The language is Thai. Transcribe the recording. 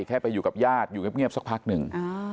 แค่ไปอยู่กับญาติอยู่เงียบสักพักหนึ่ง